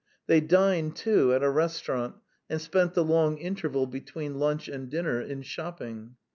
They dined, too, at a restaurant, and spent the long interval between lunch and dinner in shopping.